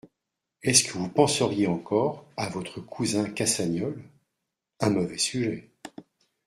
Est-ce que vous penseriez encore à votre cousin Cassagnol ? un mauvais sujet…